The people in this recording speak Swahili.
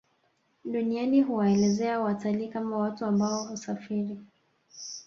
Duniani huwaelezea watalii kama watu ambao husafiri